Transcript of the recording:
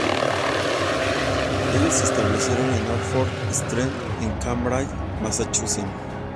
Ellos se establecieron en Norfolk Street, en Cambridge, Massachusetts.